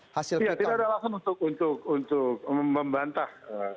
iya tidak ada langsung untuk membantah